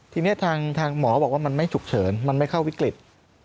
ทีนี้ทางหมอบอกว่ามันไม่ฉุกเฉินมันไม่เข้าวิกฤต